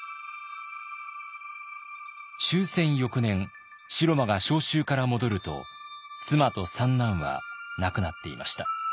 終戦翌年城間が召集から戻ると妻と三男は亡くなっていました。